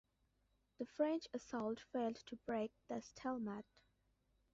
The French assault failed to break the stalemate.